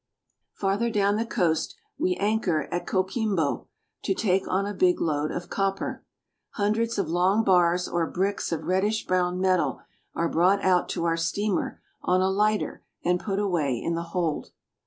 Farther down the coast we anchor at Coquimbo (ko kem'bo) to take on a big load of copper. Hundreds of long bars or bricks of reddish brown metal are brought out to our steamer on a lighter and put away in the hold.